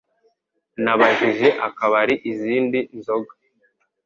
Nabajije akabari izindi nzoga